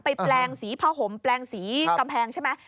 แปลงสีผ้าห่มแปลงสีกำแพงใช่ไหม